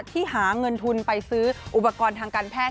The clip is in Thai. หาเงินทุนไปซื้ออุปกรณ์ทางการแพทย์